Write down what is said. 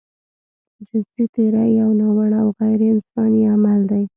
جنسي تېری يو ناوړه او غيرانساني عمل دی.